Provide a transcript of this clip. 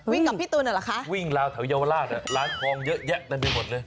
กับพี่ตูนเหรอคะวิ่งราวแถวเยาวราชร้านทองเยอะแยะเต็มไปหมดเลย